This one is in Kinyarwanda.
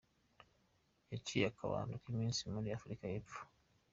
Yaciye akabando k’iminsi muri Afurika y’Epfo.